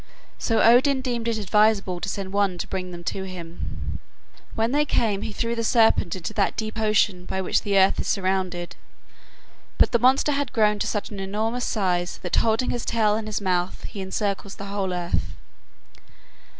So Odin deemed it advisable to send one to bring them to him. When they came he threw the serpent into that deep ocean by which the earth is surrounded. But the monster had grown to such an enormous size that holding his tail in his mouth he encircles the whole earth.